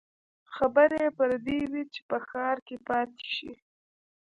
خبرې يې پر دې وې چې په ښار کې پاتې شي.